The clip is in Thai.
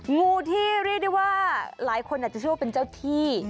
งูที่เรียกได้ว่าหลายคนอาจจะเชื่อว่าเป็นเจ้าที่